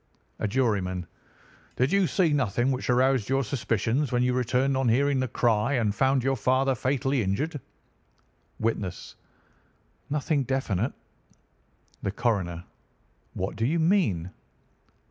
"A Juryman: Did you see nothing which aroused your suspicions when you returned on hearing the cry and found your father fatally injured? "Witness: Nothing definite. "The Coroner: What do you mean?